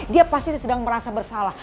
dia pasti sedang merasa bersalah